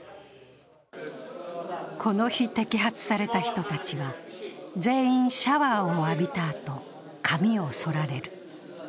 この日摘発された人たちは全員シャワーを浴びたあと、髪をそられる。